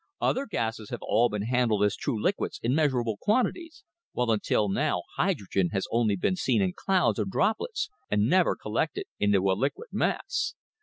Other gases have all been handled as true liquids in measurable quantities, while until now hydrogen has only been seen in clouds or droplets, and never collected into a liquid mass.